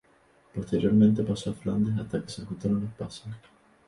Posteriormente pasó a Flandes hasta que se ajustaron las paces.